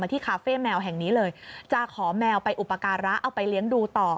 ที่คาเฟ่แมวแห่งนี้เลยจะขอแมวไปอุปการะเอาไปเลี้ยงดูต่อ